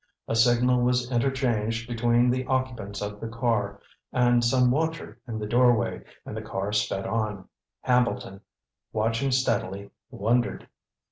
A signal was interchanged between the occupants of the car and some watcher in the doorway, and the car sped on. Hambleton, watching steadily, wondered!